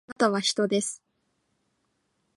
あなたは人です